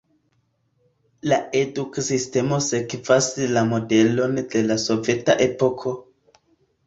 La eduksistemo sekvas la modelon de la soveta epoko.